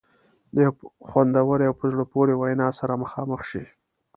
د یوې خوندورې او په زړه پورې وینا سره مخامخ شي.